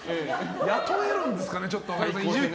雇えるんですかね？